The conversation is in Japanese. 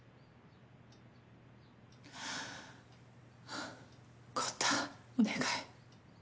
ハァ昂太お願い。